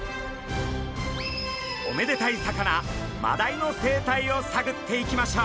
おめでたい魚マダイの生態をさぐっていきましょう！